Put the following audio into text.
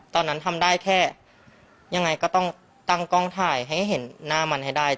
ตอนนั้นทำได้แค่ยังไงก็ต้องตั้งกล้องถ่ายให้เห็นหน้ามันให้ได้